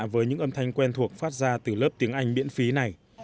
với những âm thanh quen thuộc phát ra từ lớp tiếng anh miễn phí này